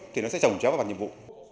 thì nó sẽ trồng chéo vào bản nhiệm vụ